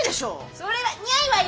それはニャいわよ！